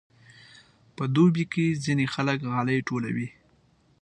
په دوبي کې ځینې خلک غالۍ ټولوي.